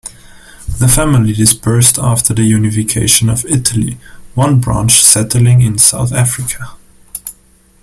The family dispersed after the unification of Italy, one branch settling in South Africa.